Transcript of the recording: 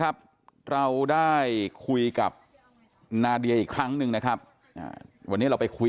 ครับเราได้คุยกับนาเดียอีกครั้งหนึ่งนะครับวันนี้เราไปคุย